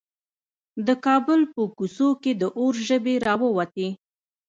د کابل په کوڅو کې د اور ژبې راووتې.